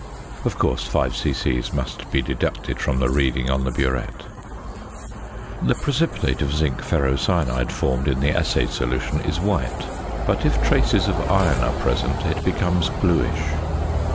Of course 5 c.c. must be deducted from the reading on the burette. The precipitate of zinc ferrocyanide formed in the assay solution is white; but if traces of iron are present, it becomes bluish.